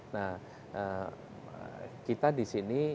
nah kita di sini